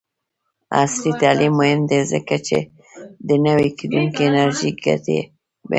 عصري تعلیم مهم دی ځکه چې د نوي کیدونکي انرژۍ ګټې بیانوي.